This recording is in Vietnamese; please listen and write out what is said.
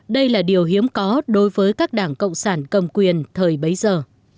đây là điều hiếm có đối với các đảng cộng sản cầm quyền thời bấy giờ